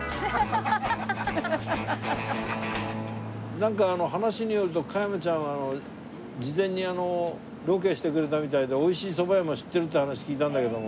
なんか話によると加山ちゃんは事前にロケしてくれたみたいで美味しいそば屋も知ってるって話聞いたんだけども。